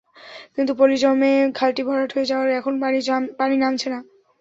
কিন্তু পলি জমে খালটি ভরাট হয়ে যাওয়ায় এখন পানি নামছে না।